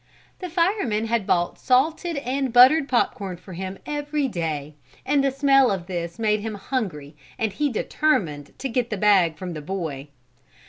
The firemen had bought salted and buttered pop corn for him every day, and the smell of this made him hungry and he determined to get the bag from the boy.